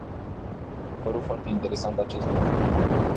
Mi s-a părut foarte interesant acest lucru.